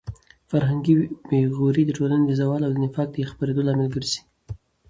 فرهنګي بې غوري د ټولنې د زوال او د نفاق د خپرېدو لامل ګرځي.